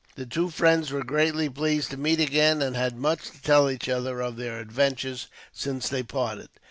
The two friends were greatly pleased to meet again, and had much to tell each other of their adventures, since they parted.